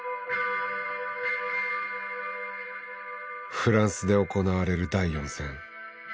フランスで行われる第４戦。